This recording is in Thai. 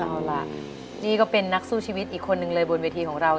เอาล่ะนี่ก็เป็นนักสู้ชีวิตอีกคนนึงเลยบนเวทีของเรา